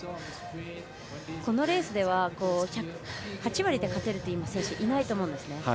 このレースでは８割で勝てる選手っていないと思うんですね。